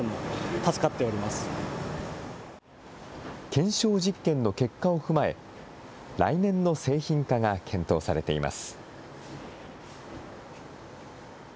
検証実験の結果を踏まえ、来年の製品化が検討されています。